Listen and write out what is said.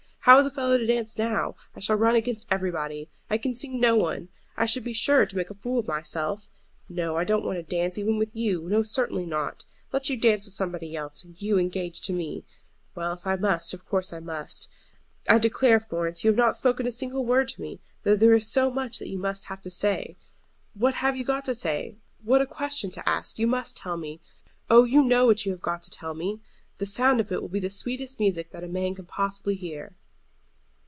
How is a fellow to dance now? I shall run against everybody. I can see no one. I should be sure to make a fool of myself. No, I don't want to dance even with you. No, certainly not! let you dance with somebody else, and you engaged to me! Well, if I must, of course I must. I declare, Florence, you have not spoken a single word to me, though there is so much that you must have to say. What have you got to say? What a question to ask! You must tell me. Oh, you know what you have got to tell me! The sound of it will be the sweetest music that a man can possibly hear."